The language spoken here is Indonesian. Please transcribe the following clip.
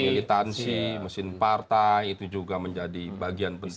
militansi mesin partai itu juga menjadi bagian penting